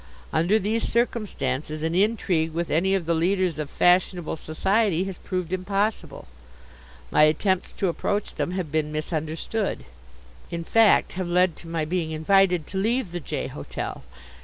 Under these circumstances an intrigue with any of the leaders of fashionable society has proved impossible. My attempts to approach them have been misunderstood in fact, have led to my being invited to leave the J. hotel.